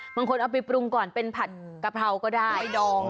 บางคนเอาไปปรุงก่อนเป็นผ่านกระเพราก็ได้